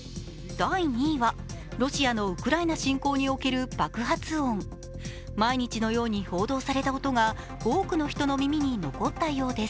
第２位は、ロシアのウクライナ侵攻における爆発音。毎日のように報道された音が多くの人の耳に残ったようです。